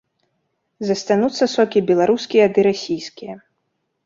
Застануцца сокі беларускія ды расійскія.